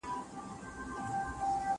شګه پاکه کړه